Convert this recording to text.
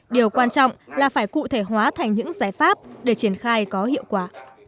điều quan trọng là phải cụ thể hóa thành những giải pháp để triển khai có hiệu quả